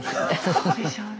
そうでしょうね。